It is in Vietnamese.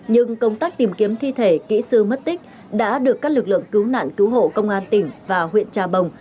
nhưng công tác tìm kiếm thi thể kỹ sư mất tích đã được các lực lượng cứu nạn cứu hộ công an tỉnh và huyện trà bồng